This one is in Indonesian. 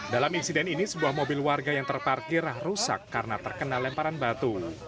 dalam insiden ini sebuah mobil warga yang terparkir rusak karena terkena lemparan batu